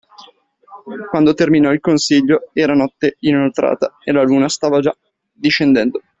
Quando terminò il consiglio, era notte inoltrata, e la Luna stava già discendendo.